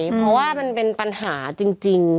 เพราะว่ามันเป็นปัญหาจริง